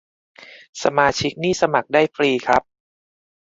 สมาชิกนี่สมัครได้ฟรีครับ